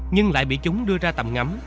nhưng lại bị chúng đưa ra tầm ngắm